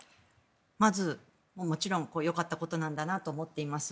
まずもちろんよかったことなんだなと思っています。